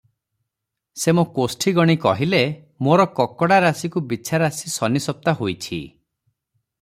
ସେ ମୋ’ କୋଷ୍ଠି ଗଣି କହିଲେ, ‘ମୋର କକଡ଼ା ରାଶିକୁ ବିଛା ରାଶି ଶନିସପ୍ତା ହୋଇଛି ।